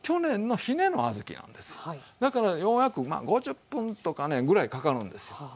だから弱く５０分とかねぐらいかかるんですよ